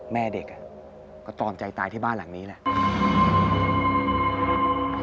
แม่เด็กก็ตอมใจตายที่บ้านหลังนี้แหละ